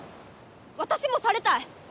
私もされたい。